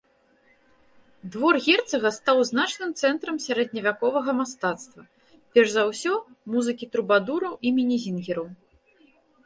Двор герцага стаў значным цэнтрам сярэдневяковага мастацтва, перш за ўсё музыкі трубадураў і мінезінгераў.